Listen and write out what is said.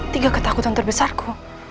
tiga ketakutan terbesarku